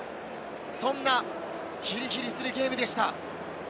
そんなヒリヒリするゲームでした。